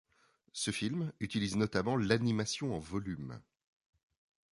Ce film utilise notamment l'animation en volume.